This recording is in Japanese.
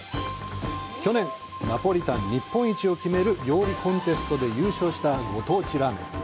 去年、ナポリタン日本一を決める料理コンテストで優勝したご当地ラーメン。